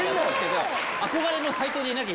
憧れの斎藤でいなきゃ！